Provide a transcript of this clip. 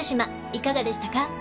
いかがでしたか？